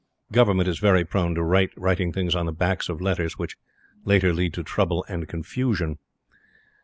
Government is very prone to writing things on the backs of letters which, later, lead to trouble and confusion.